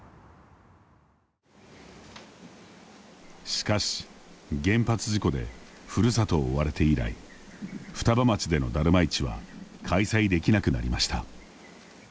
しかし、原発事故でふるさとを追われて以来双葉町でのダルマ市は開催できなくなりました。